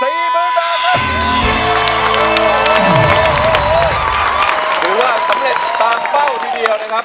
ถือว่าสำเร็จตามเป้าทีเดียวนะครับ